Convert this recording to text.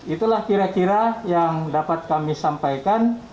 itulah kira kira yang dapat kami sampaikan